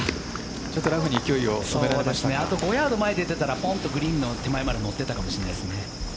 あと５ヤード手前ならグリーンの手前まで持っていったかもしれないですね。